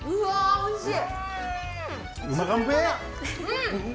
おいしい！